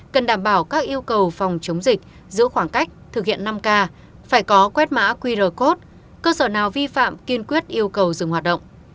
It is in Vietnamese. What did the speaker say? cần đảm bảo các yêu cầu phòng chống dịch giữ khoảng cách thực hiện năm k phải có quét mã qr code cơ sở nào vi phạm kiên quyết yêu cầu dừng hoạt động